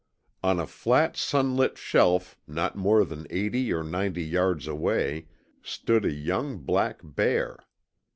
On a flat sunlit shelf not more than eighty or ninety yards away stood a young black bear.